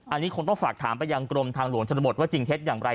อันนี้คงต้องฝากถามไปยังกรมทางหลวงชนบทว่าจริงเท็จอย่างไร